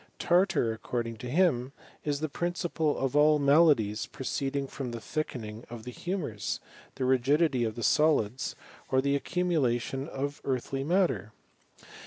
Tartar accord^ ing to him, is the principle of all the maladies pra^ ceeding from the thickening of the humours, thll rigidity of the solids, or the accumulation of eartlij matter.